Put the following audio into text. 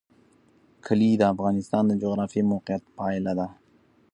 کلي د افغانستان د جغرافیایي موقیعت پایله ده.